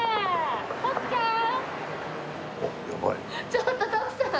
ちょっと徳さん！